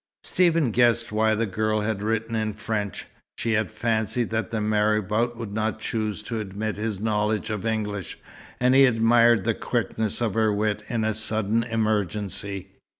Stephen guessed why the girl had written in French. She had fancied that the marabout would not choose to admit his knowledge of English, and he admired the quickness of her wit in a sudden emergency.